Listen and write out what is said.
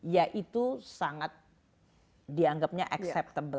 ya itu sangat dianggapnya acceptable